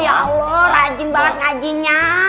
ya allah rajin banget ngajinya